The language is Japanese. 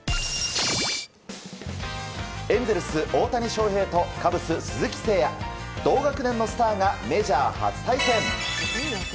エンゼルス大谷翔平とカブス鈴木誠也同学年のスターがメジャー初対戦。